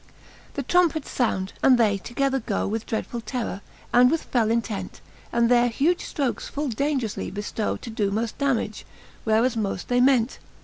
XVII. The trompets found, and they together goe, With dreadfuU terror, and with fell intent ; And their huge flrokes full daungeroufly beftow, To doe moft dammage, where as moft they ment.